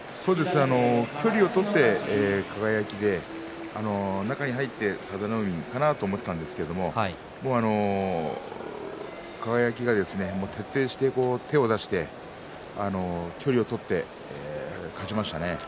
距離を取って輝で中に入って佐田の海かなと思っていたんですけど輝が徹底して手を出して距離を取って勝ちましたね。